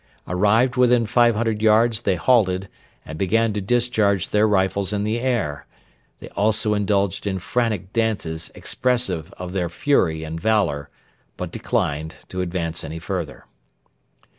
Arrived within 500 yards they halted, and began to discharge their rifles in the air; they also indulged in frantic dances expressive of their fury and valour, but declined to advance any further.